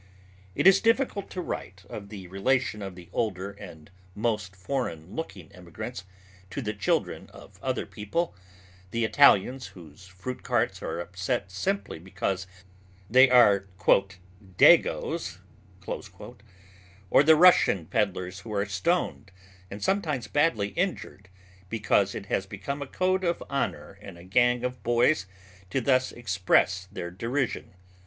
It is difficult to write of the relation of the older and most foreign looking immigrants to the children of other people the Italians whose fruit carts are upset simply because they are "dagoes," or the Russian peddlers who are stoned and sometimes badly injured because it has become a code of honor in a gang of boys to thus express their derision.